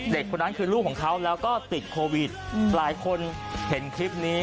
คนนั้นคือลูกของเขาแล้วก็ติดโควิดหลายคนเห็นคลิปนี้